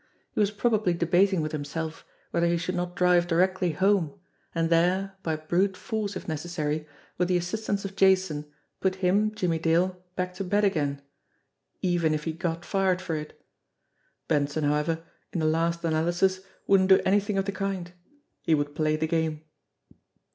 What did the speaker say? He was probably de bating with himself whether he should not drive directly home, and there, by brute force if necessary, with the assist ance of Jason, put him, Jimmie Dale, back to bed again even if he got fired for it! Benson, however, in the last analysis wouldn't do anything of the kind he would play the game.